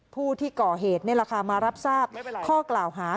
ผู้ที่ก่อเหตุนี่แหละค่ะมารับทราบข้อกล่าวหา